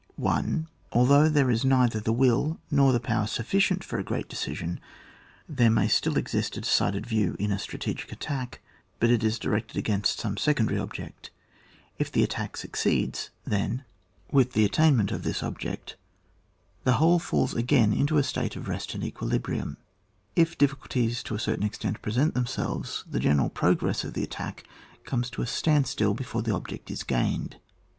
1. Although there is neither the will nor the power sufficient for a great decision, there may still exist a decided view in a strategic attack, but it is directed agaiof^t some secondaiy object. If the attack succeeds, then, with the attainment of CHAP. XVI.] ATTACK OF A TEE AT RE OF WAR, ETC. 21 this object the whole falls again into a state of rest and equilibrium. If difficul ties to a certain extent present themselves, the general progress of the attack comes to a standstill before the object is gained.